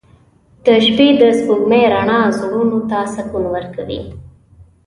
• د شپې د سپوږمۍ رڼا زړونو ته سکون ورکوي.